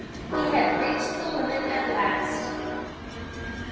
He had reached the limit at last.